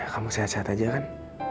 kamu sehat sehat aja kan